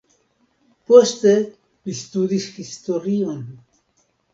Poste li studis historion.